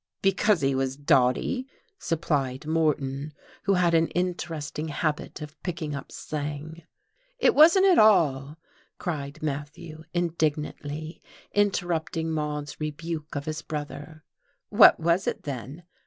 "Because he was dotty," supplied Moreton, who had an interesting habit of picking up slang. "It wasn't at all," cried Matthew, indignantly, interrupting Maude's rebuke of his brother. "What was it, then?"